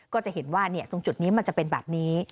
ก็จะเห็นว่าตรงจุดนี้มันจะเป็นแบบนี้